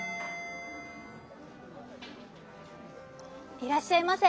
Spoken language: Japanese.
いらっしゃいませ。